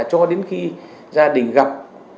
cho đến khi gia đình gặp